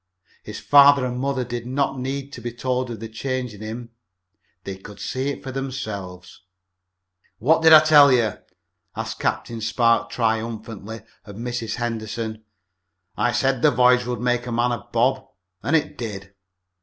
His father and mother did not need to be told of the change in him. They could see it for themselves. "What did I tell you?" asked Captain Spark triumphantly of Mrs. Henderson. "I said the voyage would make a man of Bob, and it did."